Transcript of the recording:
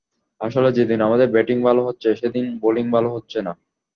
আসলে যেদিন আমাদের ব্যাটিং ভালো হচ্ছে, সেদিন বোলিং ভালো হচ্ছে না।